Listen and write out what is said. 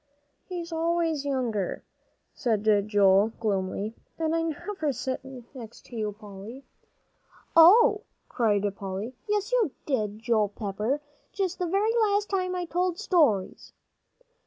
"He's always younger," said Joel, gloomily, "and I never sit next to you, Polly." "Oh!" cried Polly, "yes, you did, Joel Pepper, just the very last time I told stories."